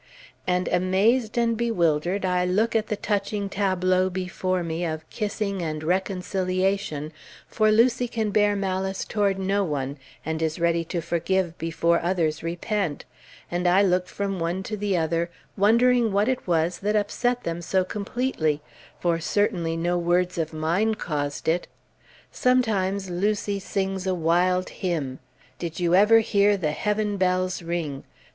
And amazed and bewildered I look at the touching tableau before me of kissing and reconciliation, for Lucy can bear malice toward no one, and is ready to forgive before others repent, and I look from one to the other, wondering what it was that upset them so completely, for certainly no words of mine caused it. Sometimes Lucy sings a wild hymn, "Did you ever hear the heaven bells ring?"